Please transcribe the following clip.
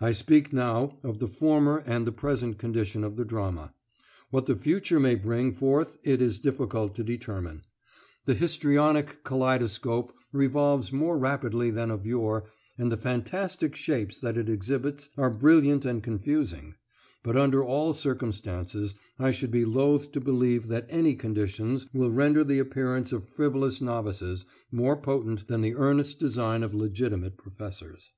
I speak now of the former and the present condition of the drama. What the future may bring forth it is difficult to determine. The histrionic kaleidoscope revolves more rapidly than of yore and the fantastic shapes that it exhibits are brilliant and confusing; but under all circumstances I should be loath to believe that any conditions will render the appearance of frivolous novices more potent than the earnest design of legitimate professors.